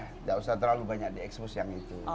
nggak usah terlalu banyak di expose yang itu